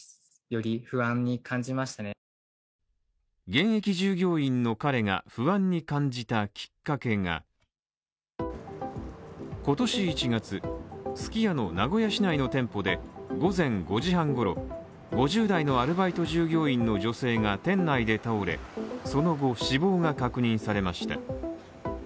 現役従業員の彼が不安に感じたきっかけが今年１月すき家の名古屋市内の店舗で午前５時半ごろ、５０代のアルバイト従業員の女性が店内で倒れ、その後死亡が確認されました。